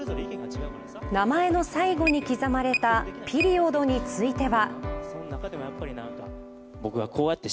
名前の最後に刻まれたピリオドについては。